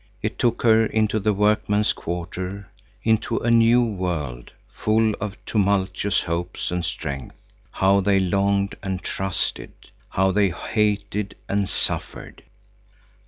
It took her into the workman's quarter, into a new world, full of tumultuous hopes and strength. How they longed and trusted! How they hated and suffered!